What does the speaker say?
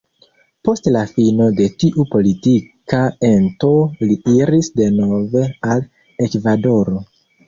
Post la fino de tiu politika ento li iris denove al Ekvadoro.